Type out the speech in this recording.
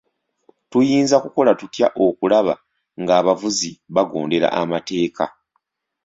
Tuyinza kukola tutya okulaba ng'abavuzi bagondera amateeka?